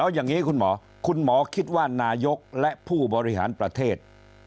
อย่างนี้คุณหมอคุณหมอคิดว่านายกและผู้บริหารประเทศ